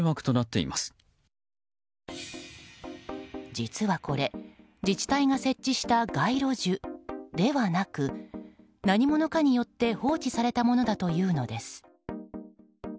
実は、これ自治体が設置した街路樹ではなく何者かによって放置されたものだというのです。